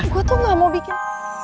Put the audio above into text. gue tuh gak mau bikin